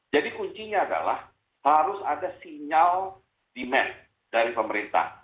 jadi kuncinya adalah harus ada sinyal demand dari pemerintah